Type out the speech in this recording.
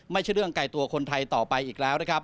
ไม่ใช่เรื่องไกลตัวคนไทยต่อไปอีกแล้วนะครับ